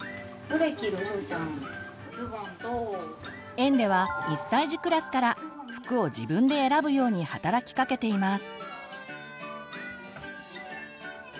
園では１歳児クラスから服を自分で選ぶように働きかけています。